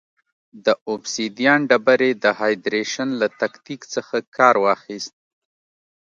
د اوبسیدیان ډبرې د هایدرېشن له تکتیک څخه کار واخیست.